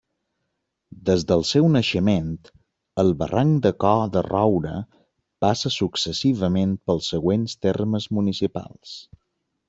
Des del seu naixement, el Barranc de Cor-de-roure passa successivament pels següents termes municipals.